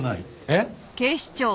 えっ？